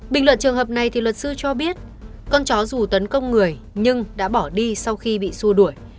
bình luận trường hợp này thì luật sư cho biết con chó dù tấn công người nhưng đã bỏ đi sau khi bị xua đuổi